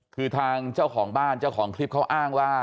คือทางเจ้าของบ้านเจ้าของคลิปเขาอ้างว่า